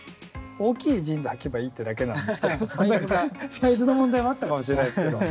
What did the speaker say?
サイズの問題もあったかもしれないですけど。